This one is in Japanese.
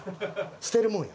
捨てるもんや。